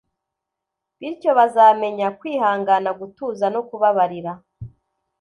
bityo bazamenya kwihangana gutuza no kubabarira.